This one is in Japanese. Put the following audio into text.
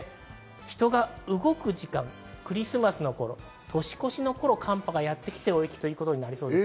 人が動く時間、クリスマスの頃、年越しの頃、寒波がやってきて、大雪ということになりそうです。